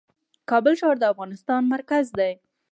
کابل ښار د افغانستان مرکز دی .